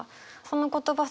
その言葉